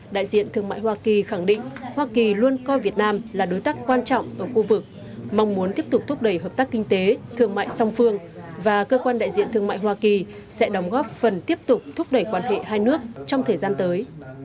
đại diện thương mại hoa kỳ khẳng định hoa kỳ luôn coi việt nam là đối tác quan trọng ở khu vực mong muốn tiếp tục thúc đẩy hợp tác kinh tế thương mại song phương và cơ quan đại diện thương mại hoa kỳ sẽ đóng góp phần tiếp tục thúc đẩy quan hệ hai nước trong thời gian tới